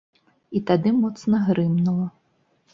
І тады моцна грымнула.